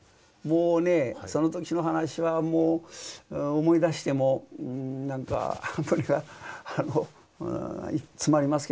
もうねその時の話はもう思い出してもなんか詰まりますけども。